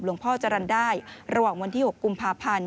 พ่อจรรย์ได้ระหว่างวันที่๖กุมภาพันธ์